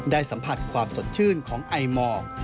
สัมผัสความสดชื่นของไอหมอก